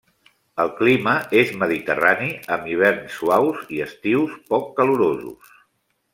El clima és mediterrani amb hiverns suaus i estius poc calorosos.